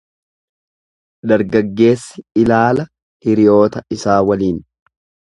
Dargaggeessi ilaala hiriyoota isaa waliin.